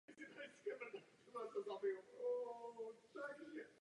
Stálá stáda užívají místní dialekty.